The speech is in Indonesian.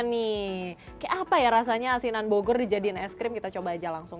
seperti apa rasanya asinan bogor dijadikan es krim kita coba saja langsung